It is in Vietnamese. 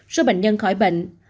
số bệnh nhân khỏi bệnh